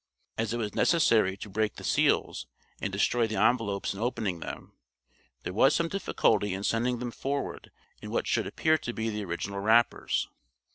As it was necessary to break the seals and destroy the envelopes in opening them, there was some difficulty in sending them forward in what should appear to be the original wrappers.